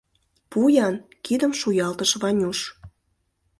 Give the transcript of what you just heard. — Пу-ян! — кидым шуялтыш Ванюш.